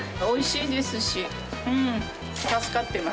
おいしいですし。